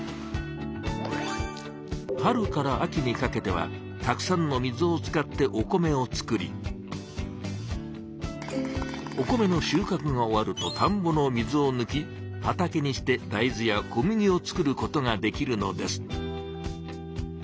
春から秋にかけてはたくさんの水を使ってお米を作りお米のしゅうかくが終わるとたんぼの水をぬき畑にして大豆や小麦を作ることができるのです。